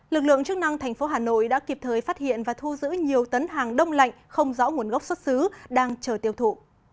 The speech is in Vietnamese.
lực lượng chức năng thành phố hà nội đã kịp thời phát hiện và thu giữ nhiều tấn hàng đông lạnh không rõ nguồn gốc xuất xứ đang chờ tiêu thụ